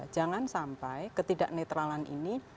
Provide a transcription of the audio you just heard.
jangan sampai ketidak netralan ini